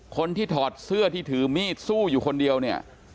ถอดเสื้อที่ถือมีดสู้อยู่คนเดียวเนี่ย